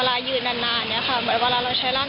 ก็เลยทำให้เราแบบไม่ค่อยมีแรง